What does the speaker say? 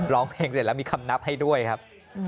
ร้องเพลงเสร็จแล้วมีคำนับให้ด้วยครับ